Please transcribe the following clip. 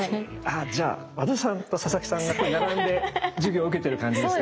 じゃあ和田さんと佐々木さんが並んで授業受けてる感じですね。